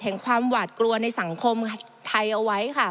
ความหวาดกลัวในสังคมไทยเอาไว้ค่ะ